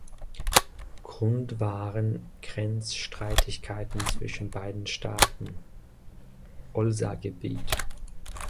Grund waren Grenzstreitigkeiten zwischen beiden Staaten (Olsagebiet).